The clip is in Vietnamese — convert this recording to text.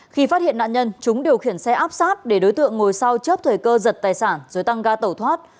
khi phát hiện nạn nhân chúng điều khiển xe áp sát để đối tượng ngồi sau chớp thời cơ giật tài sản rồi tăng ga tẩu thoát